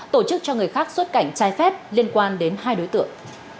tổ chức cho người khác xuất cảnh trái phép liên quan đến hai đối tượng